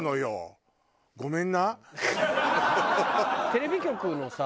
テレビ局のさ。